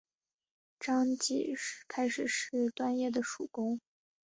张骘开始是段业的属官。